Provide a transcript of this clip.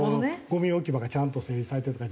ゴミ置き場がちゃんと整理されてるか